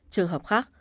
trường hợp khác